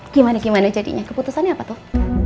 gimana gimana jadinya keputusannya apa tuh